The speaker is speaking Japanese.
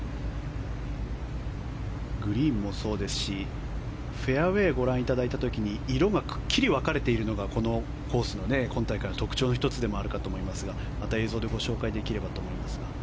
グリーンもそうですしフェアウェーをご覧いただいた時に色がくっきり分かれているのがこのコースの今大会の特徴の１つでもあるかと思いますがまた映像でご紹介できればと思います。